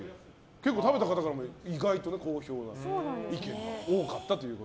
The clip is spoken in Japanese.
結構食べた方からも好評な意見が多かったと。